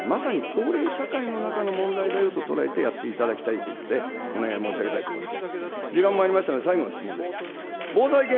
だから、本当にこの過疎地だけの問題じゃない、まさに高齢社会の中の問題だよと捉えてやっていただきたいということで、お願い申し上げたいと思います。